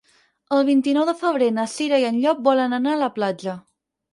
El vint-i-nou de febrer na Cira i en Llop volen anar a la platja.